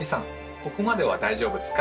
ここまでは大丈夫ですか？